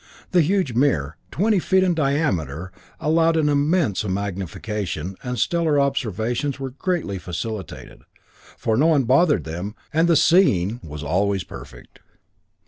The huge mirror, twenty feet in diameter, allowed an immense magnification, and stellar observations were greatly facilitated, for no one bothered them, and the "seeing" was always perfect.